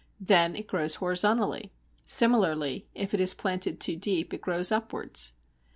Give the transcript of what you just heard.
Then it grows horizontally. Similarly, if it is planted too deep it grows upwards.